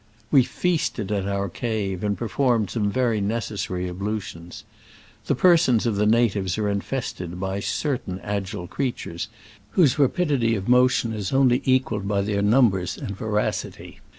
We feasted at our cave, and perform ed some very necessary ablutions. The persons of the natives are infested by certain agile creatures, whose rapidity of motion is only equaled by their num bers and voracity.